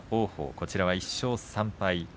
こちらは１勝３敗。